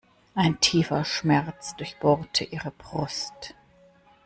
Ein tiefer Schmerz durchbohrte ihre Brust.